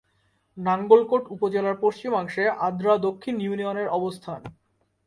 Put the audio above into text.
নাঙ্গলকোট উপজেলার পশ্চিমাংশে আদ্রা দক্ষিণ ইউনিয়নের অবস্থান।